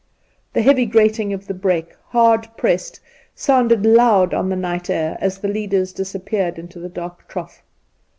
The heavy grating of the brake, hard pressed, sounded loud on the night air as the leaders disappeared into the dark trough.